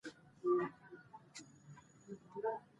پخوسپین ږیرو ډاډ ورکاوه.